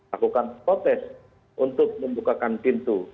lakukan protes untuk membukakan pintu